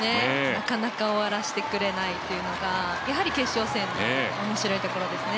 なかなか終わらせてくれないというのが、やはり決勝戦面白いところですね。